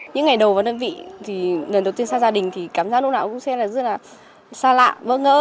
những ngày đầu vào đơn vị lần đầu tiên ra gia đình thì cảm giác lúc nào cũng sẽ rất là xa lạ vỡ ngỡ